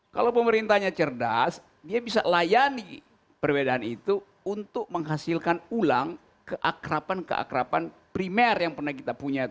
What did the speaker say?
kalau pemerintahnya cerdas dia bisa layani perbedaan itu untuk menghasilkan ulang keakrapan keakrapan primer yang pernah kita punya